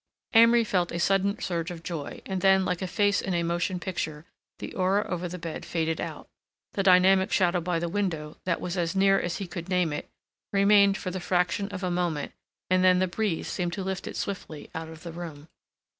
Amory felt a sudden surge of joy and then like a face in a motion picture the aura over the bed faded out; the dynamic shadow by the window, that was as near as he could name it, remained for the fraction of a moment and then the breeze seemed to lift it swiftly out of the room.